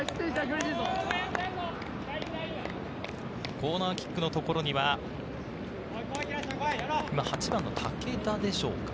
コーナーキックの所には、８番の武田でしょうか？